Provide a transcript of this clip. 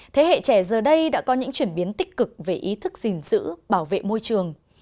thế hệ trẻ giờ đây đã có những chuyển biến tích cực về ý thức gìn giữ bảo vệ môi trường